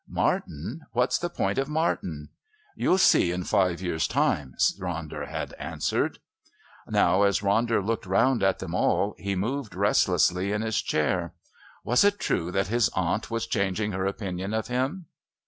"Martin what's the point of Martin?" "You'll see in five years' time," Ronder had answered. Now, as Ronder looked round at them all, he moved restlessly in his chair. Was it true that his aunt was changing her opinion of him?